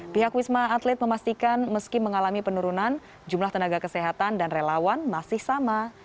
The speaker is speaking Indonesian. pihak wisma atlet memastikan meski mengalami penurunan jumlah tenaga kesehatan dan relawan masih sama